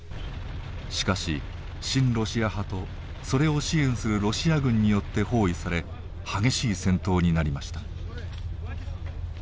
しかし親ロシア派とそれを支援するロシア軍によって包囲され激しい戦闘になりました。